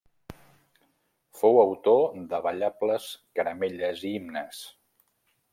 Fou autor de ballables, caramelles i himnes.